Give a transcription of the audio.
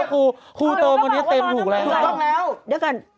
รวมคุณแล้วก็บอกว่าตอนกำลังไปต้องแล้วกานเดียวกัน